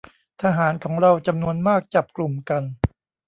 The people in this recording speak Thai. ทหารของเราจำนวนมากจับกลุ่มกัน